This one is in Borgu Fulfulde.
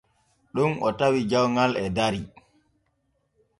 Ɗon o tawi jawŋal e dari.